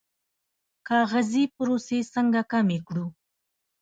کاغذي پروسې څنګه کمې کړو؟